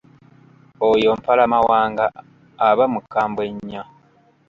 Oyo Mpalamawanga aba mukambwe nnyo.